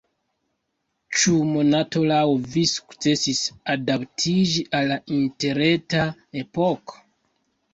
Ĉu Monato laŭ vi sukcesis adaptiĝi al la interreta epoko?